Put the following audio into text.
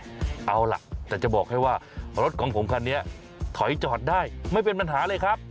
เอาล่ะแต่จะบอกให้ว่ารถของผมคันนี้ถอยจอดได้ไม่เป็นปัญหาเลยครับ